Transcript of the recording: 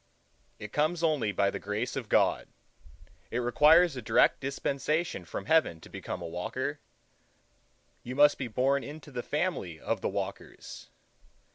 It comes only by the grace of God. It requires a direct dispensation from Heaven to become a walker. You must be born into the family of the Walkers.